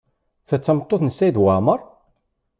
Ta d tameṭṭut n Saɛid Waɛmaṛ?